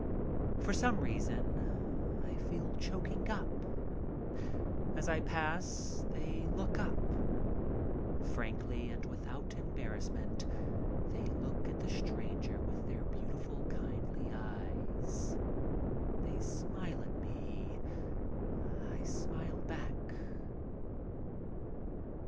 For some reason I feel choking up. As I pass they look up. Frankly and without embarrassment they look at the stranger with their beautiful, kindly eyes. They smile at me. I smile back.